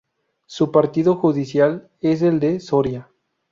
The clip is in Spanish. Su partido judicial es el de Soria.